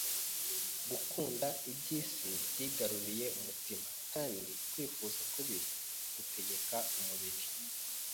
Gukunda iby’isi byigaruriye umutima kandi kwifuza kubi gutegeka umubiri.